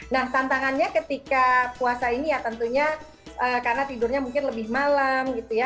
nah tantangannya ketika puasa ini ya tentunya karena tidurnya mungkin lebih malam gitu ya